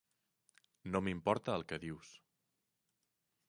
No m'importa el que dius.